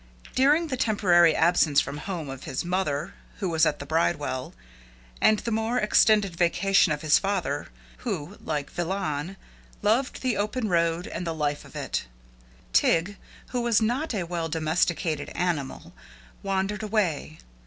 During the temporary absence from home of his mother, who was at the bridewell, and the more extended vacation of his father, who, like Villon, loved the open road and the life of it, Tig, who was not a well domesticated animal, wandered away.